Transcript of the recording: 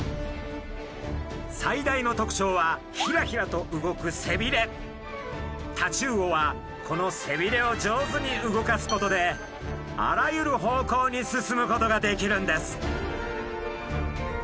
最大の特徴はヒラヒラと動くタチウオはこの背びれを上手に動かすことであらゆる方向に進むことができるんです。